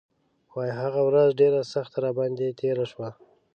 وايي هغه ورځ ډېره سخته راباندې تېره شوه.